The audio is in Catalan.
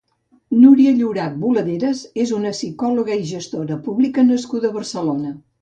Núria Llorach i Boladeras és una psicòloga i gestora pública nascuda a Barcelona.